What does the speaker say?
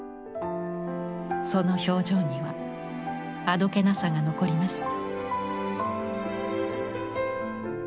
その表情にはあどけなさが残ります。